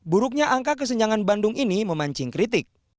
buruknya angka kesenjangan bandung ini memancing kritik